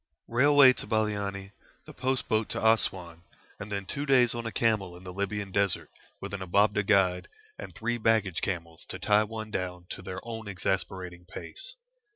Railway to Baliani, the post boat to Assouan, and then two days on a camel in the Libyan desert, with an Ababdeh guide, and three baggage camels to tie one down to their own exasperating pace.